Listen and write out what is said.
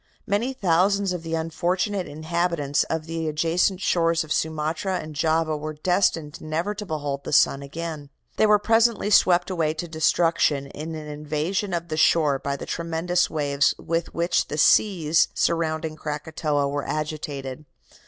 Many thousands of the unfortunate inhabitants of the adjacent shores of Sumatra and Java were destined never to behold the sun again. They were presently swept away to destruction in an invasion of the shore by the tremendous waves with which the seas surrounding Krakatoa were agitated.